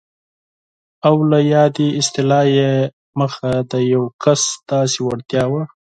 او له یادې اصطلاح یې موخه د یو کس داسې وړتیا وه.